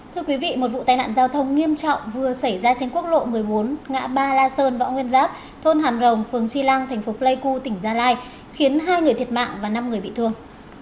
thưa quý vị một vụ tai nạn giao thông nghiêm trọng vừa xảy ra trên quốc lộ một mươi bốn ngã ba la sơn võ nguyên giáp thôn hàm rồng phường chi lăng thành phố pleiku tỉnh gia lai khiến hai người thiệt mạng và năm người bị thương